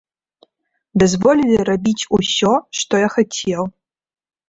Дазволілі рабіць усё, што я хацеў.